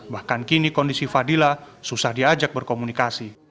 bahkan kini kondisi fadila susah diajak berkomunikasi